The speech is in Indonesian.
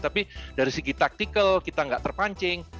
tapi dari segi taktikal kita nggak terpancing